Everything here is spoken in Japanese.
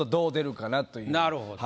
なるほど。